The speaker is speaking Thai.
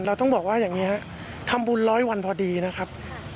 เราต้องบอกว่าอย่างนี้ฮะทำบุญร้อยวันพอดีนะครับ